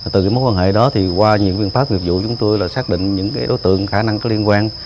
từ cái mối quan hệ đó thì qua những viên pháp việc vụ chúng tôi là xác định những cái đối tượng khả năng có liên quan